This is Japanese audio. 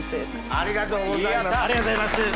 ありがとうございます！